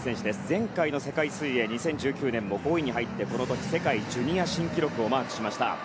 前回の世界水泳２０１９年も５位に入ってこの時、世界ジュニア新記録をマークしました。